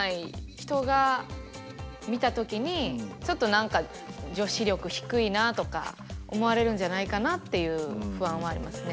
人が見た時にちょっと何か女子力低いなとか思われるんじゃないかなっていう不安はありますね。